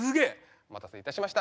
お待たせいたしました。